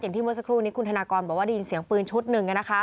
ที่เมื่อสักครู่นี้คุณธนากรบอกว่าได้ยินเสียงปืนชุดหนึ่ง